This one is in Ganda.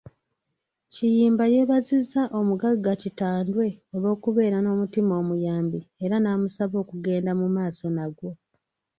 Kiyimba yeebazizza omugagga Kitandwe olw'okubeera n'omutima omuyambi era n'amusaba okugenda mu maaso nagwo.